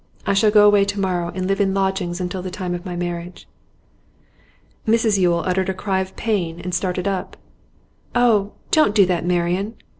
I shall go away to morrow, and live in lodgings until the time of my marriage.' Mrs Yule uttered a cry of pain, and started up. 'Oh, don't do that, Marian!